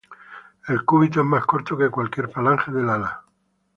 El cúbito es más corto que cualquier falange del ala.